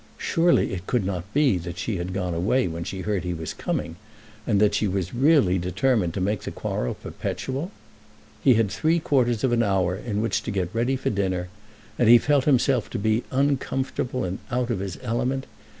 Surely it could not be that she had gone away when she heard that he was coming, and that she was really determined to make the quarrel perpetual? He had three quarters of an hour in which to get ready for dinner, and he felt himself to be uncomfortable and out of his element.